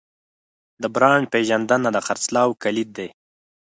د برانډ پیژندنه د خرڅلاو کلید دی.